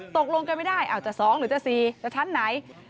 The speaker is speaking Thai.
ตกลงกันไม่ได้จะ๒หรือจะ๔จะชั้นไหน